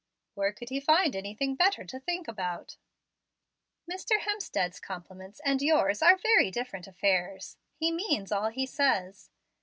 "Where could he find anything better to think about?" "Mr. Hemstead's compliments and yours are very different affairs. He means all he says.